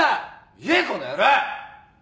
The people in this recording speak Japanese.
言えこの野郎！